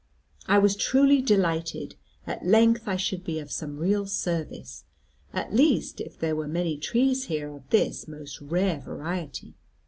I was truly delighted, at length I should be of some real service; at least if there were many trees here of this most rare variety.